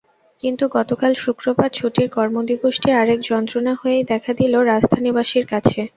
কিন্তু গতকাল শুক্রবার ছুটির কর্মদিবসটি আরেক যন্ত্রণা হয়েই দেখা দিল রাজধানীবাসীর কাছে।